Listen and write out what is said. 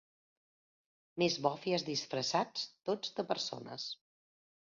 Més bòfies disfressats tots de persones.